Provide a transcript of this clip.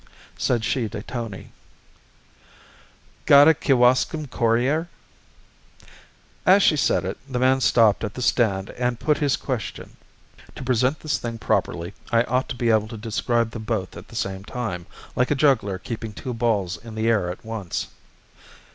Said she to Tony: "Got a Kewaskum Courier?" As she said it the man stopped at the stand and put his question. To present this thing properly I ought to be able to describe them both at the same time, like a juggler keeping two balls in the air at once.